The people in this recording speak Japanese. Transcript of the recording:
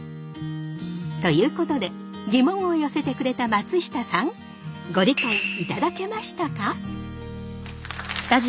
ということでギモンを寄せてくれた松下さんご理解いただけましたか？